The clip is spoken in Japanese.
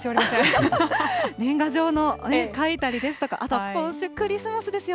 年賀状を書いたりですとか、あと、今週、クリスマスですよ。